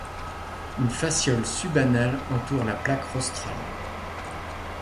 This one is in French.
Une fasciole subanale entoure la plaque rostrale.